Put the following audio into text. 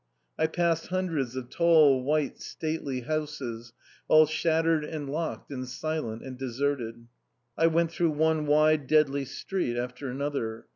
I passed hundreds of tall, white, stately houses, all shattered and locked and silent and deserted. I went through one wide, deadly street after another.